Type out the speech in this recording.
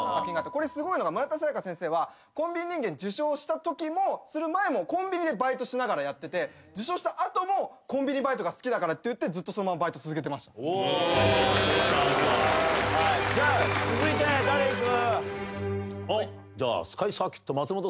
これすごいのが村田沙耶香先生は『コンビニ人間』受賞したときもする前もコンビニでバイトしながらやってて受賞した後もコンビニバイトが好きだからっていってずっとそのままバイト続けてました。じゃあ続いて誰いく？